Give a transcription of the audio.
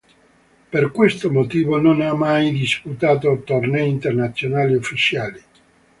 Per questo motivo non ha mai disputato tornei internazionali ufficiali.